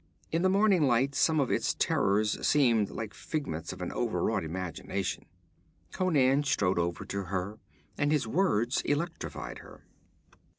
In the morning light some of its terrors seemed like figments of an overwrought imagination. Conan strode over to her, and his words electrified her.